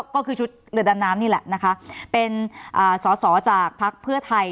ก็คือชุดเรือดำน้ำนี่แหละนะคะเป็นสอสอจากภักดิ์เพื่อไทย